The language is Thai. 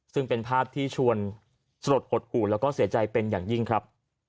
ซึ่งเป็นภาพที่ชวนสลดหดหูแล้วก็เสียใจเป็นอย่างยิ่งครับ